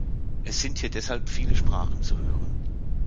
Es sind hier deshalb viele Sprachen zu hören.